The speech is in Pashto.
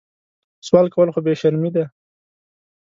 سوال کول خو بې شرمي ده